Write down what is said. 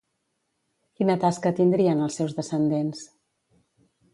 Quina tasca tindrien els seus descendents?